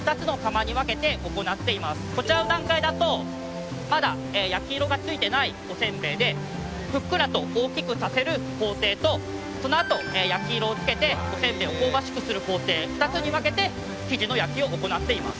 こちらの段階だとまだ焼き色がついてないおせんべいでふっくらと大きくさせる工程とそのあと焼き色をつけておせんべいを香ばしくする工程２つに分けて生地の焼きを行っています。